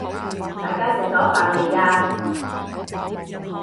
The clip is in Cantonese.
大家食咗飯未呀？